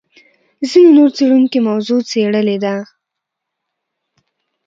ځینې نور څېړونکي موضوع څېړلې ده.